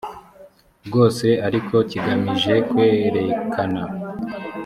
bwose ariko kigamije kwerekana